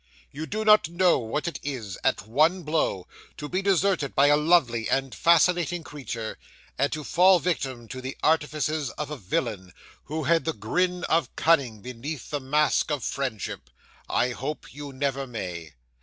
You do not know what it is, at one blow, to be deserted by a lovely and fascinating creature, and to fall a victim to the artifices of a villain, who had the grin of cunning beneath the mask of friendship. I hope you never may.